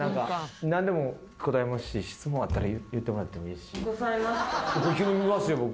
何でも答えますし質問あったら言ってもらってもいいし。